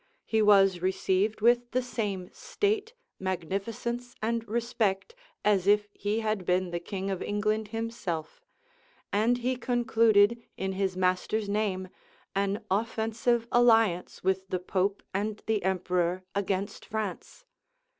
He was received with the same state, magnificence, and respect, as if he had been the king of England himself; and he concluded, in his master's name, an offensive alliance with the pope and the emperor against France.